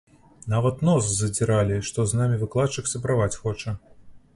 Нават нос задзіралі, што з намі выкладчык сябраваць хоча.